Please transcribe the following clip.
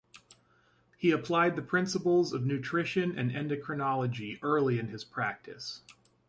He applied the principles of nutrition and endocrinology early in his practice.